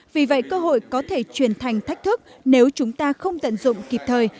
vì vậy cơ hội có thể truyền thành thách thức nếu chúng ta không tận dụng kịp thời